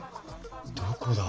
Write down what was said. どこだ？